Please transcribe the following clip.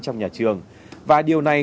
trong nhà trường và điều này